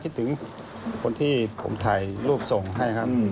คิดถึงคนที่ผมถ่ายรูปส่งให้ครับ